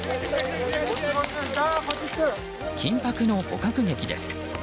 緊迫の捕獲劇です。